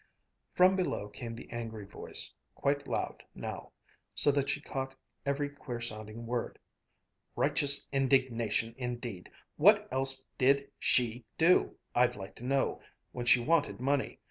From below came the angry voice, quite loud now, so that she caught every queer sounding word "righteous indignation indeed! What else did she do, I'd like to know, when she wanted money.